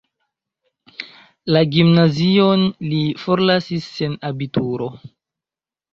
La gimnazion li forlasis sen abituro.